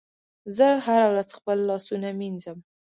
زه هره ورځ خپل لاسونه مینځم.